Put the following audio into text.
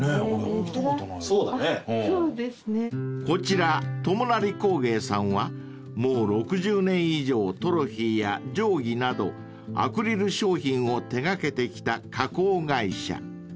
［こちら友成工芸さんはもう６０年以上トロフィーや定規などアクリル商品を手掛けてきた加工会社］